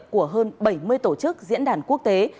của hơn bảy mươi tổ chức diễn đàn quốc tế